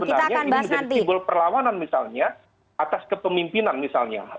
karena sebenarnya ini menjadi simbol perlawanan misalnya atas kepemimpinan misalnya